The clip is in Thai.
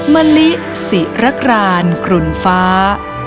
มะลิศิระรานกรุ่นฟ้า